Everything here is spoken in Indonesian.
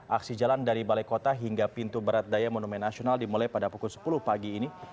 aksi jalan dari balai kota hingga pintu barat daya monumen nasional dimulai pada pukul sepuluh pagi ini